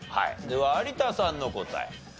では有田さんの答え。